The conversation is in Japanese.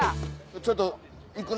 ちょっと行くね。